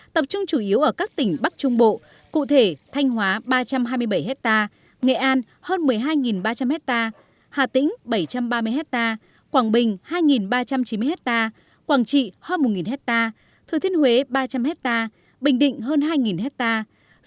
tập trung chủ yếu ở các tỉnh bắc trung bộ cụ thể thanh hóa ba trăm hai mươi bảy hectare nghệ an hơn một mươi hai ba trăm linh hectare hà tĩnh bảy trăm ba mươi hectare quảng bình hai ba trăm chín mươi hectare quảng trị hơn một hectare thừa thiên huế ba trăm linh hectare bình định hơn hai hectare